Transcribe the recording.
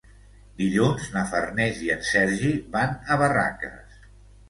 Dilluns na Farners i en Sergi van a Barraques.